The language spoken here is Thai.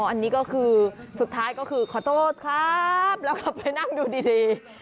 อันนี้ก็คือสุดท้ายก็คือขอโทษครับแล้วก็ไปนั่งดูดี